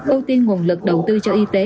ưu tiên nguồn lực đầu tư cho y tế